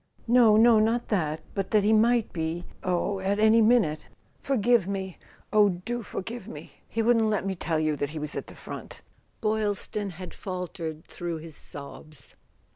"No, no, not that; but that he might be—oh, at any minute! Forgive me—oh, do forgive me! He wouldn't let me tell you that he was at the front," Boy Is ton had faltered through his sobs.